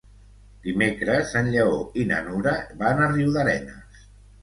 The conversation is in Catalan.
Dimecres en Lleó i na Nura van a Riudarenes.